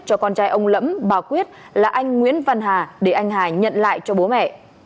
cho con trai ông lẫm bà quyết là anh nguyễn văn hà để anh hà nhận lại cho bố mẹ